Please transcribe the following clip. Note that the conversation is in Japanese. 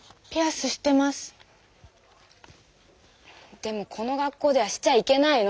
でもこの学校ではしちゃいけないの。